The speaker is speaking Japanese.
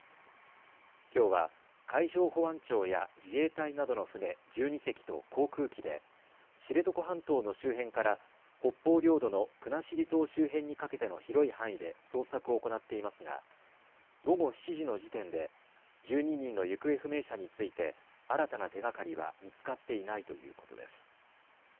きょうは海上保安庁や自衛隊などの船１２隻と航空機で知床半島の周辺から北方領土の国後島周辺にかけての広い範囲で捜索を行っていますが午後７時の時点で１２人の行方不明者について新たな手がかりは見つかっていないということです。